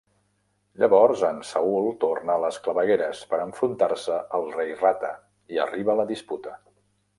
Llavors en Saul torna a les clavegueres per enfrontar-se al Rei Rata, i arriba la disputa.